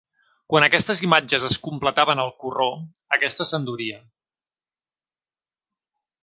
Quan aquestes imatges es completaven al corró, aquesta s'enduria.